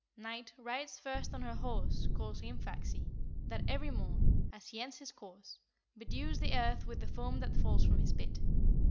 Night rides first on her horse called Hrimfaxi, that every morn, as he ends his course, bedews the earth with the foam that falls from his bit.